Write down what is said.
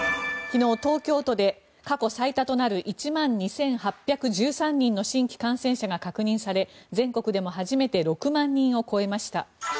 昨日、東京都で過去最多となる１万２８１３人の新規感染者が確認され全国でも初めて６万人を超えました。